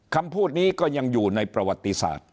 คำพูดนี้ก็ยังอยู่ในประวัติศาสตร์